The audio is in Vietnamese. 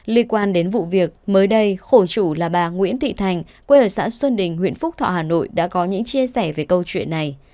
liên quan đến vụ việc mới đây khổ chủ là bà nguyễn thị thành quê ở xã xuân đình huyện phúc thọ hà nội đã có những chia sẻ về câu chuyện này